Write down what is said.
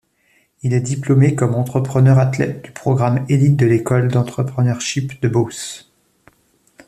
Il est diplômé comme entrepreneur-athlète du programme Élite de l’École d’Entrepreneurship de Beauce.